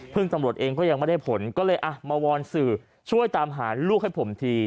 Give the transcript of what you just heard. ตำรวจเองก็ยังไม่ได้ผลก็เลยมาวอนสื่อช่วยตามหาลูกให้ผมที